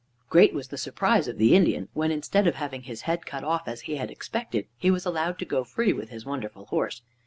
Great was the surprise of the Indian when, instead of having his head cut off as he had expected, he was allowed to go free with his wonderful horse.